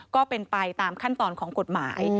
ก็เป็นไปตามขั้นตอนของกฎหมาย